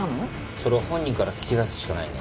それは本人から聞き出すしかないね。